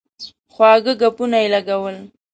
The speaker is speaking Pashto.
خواږه ګپونه یې لګول.